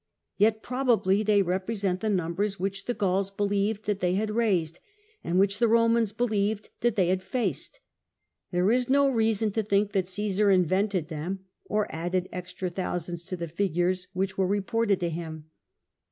Yet probably they represent the numbers which the Gauls believed that they had raised, and which the Romans believed that they had faced. There is no reason to think that Osesar invented them, or added extra thousands to the figures which were reported to him.